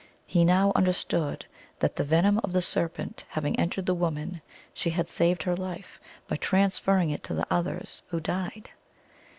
He now understood that, the venom of the serpent having entered the woman, she had saved her life by transferring it to others, who died.